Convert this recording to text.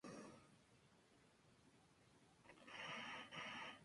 Estuvo conformado mayormente por alemanes, italianos y costarricenses criollos.